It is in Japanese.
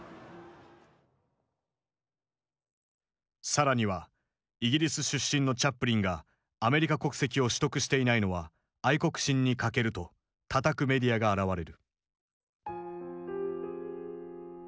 更には「イギリス出身のチャップリンがアメリカ国籍を取得していないのは愛国心に欠ける」とたたくメディアが現れる。